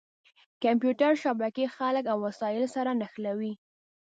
کمپیوټر شبکې خلک او وسایل سره نښلوي.